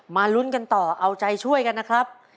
ลุ้นกันต่อเอาใจช่วยกันนะครับ